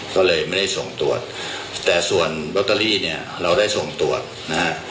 ก็เลยไม่ได้ส่งตรวจแต่ส่วนลอตเตอรี่เนี่ยเราได้ส่งตรวจนะฮะ